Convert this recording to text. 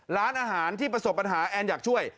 ร้านอาหารที่ประสบปัญหาแอนอยากช่วย